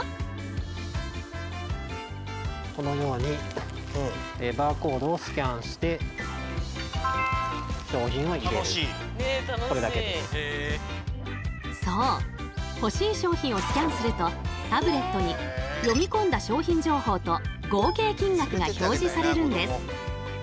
このようにそう欲しい商品をスキャンするとタブレットに読み込んだ商品情報と合計金額が表示されるんです。